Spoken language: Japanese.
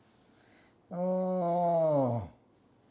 ああ。